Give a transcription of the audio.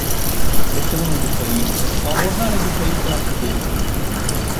Este unul diferit, o abordare diferită a subiectului.